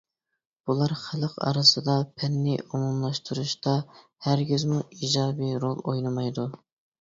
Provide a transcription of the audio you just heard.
بۇلار خەلق ئارىسىدا پەننى ئومۇملاشتۇرۇشتا ھەرگىزمۇ ئىجابىي رول ئوينىمايدۇ.